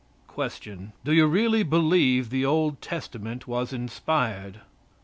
Q. Do you really believe the Old Testament was inspired? A.